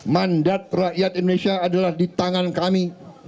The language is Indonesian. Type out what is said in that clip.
mandat rakyat indonesia adalah di tangan kami